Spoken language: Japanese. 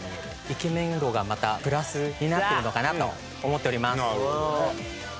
イケメン度がまたプラスになってるのかなと思っております。ＨｉＨｉＪｅｔｓ